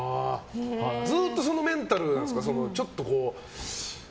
ずっとそのメンタルなんですか？